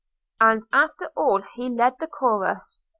And after all he led the chorus.